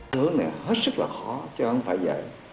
tướng này hết sức là khó chứ không phải vậy